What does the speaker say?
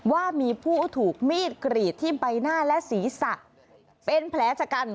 ว่ามีผู้ถูกมีดกรีดที่ใบหน้าและศีรษะเป็นแผลชะกัน